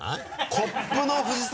コップの藤崎。